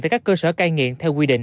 tại các cơ sở cai nghiện theo quy định